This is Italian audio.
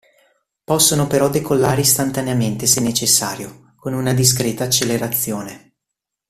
Possono, però decollare istantaneamente se necessario, con una discreta accelerazione.